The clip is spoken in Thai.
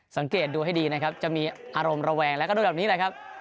สังเกตดูให้ดีนะครับจะมีอารมณ์ระแวงแล้วก็ดูแบบนี้แหละครับ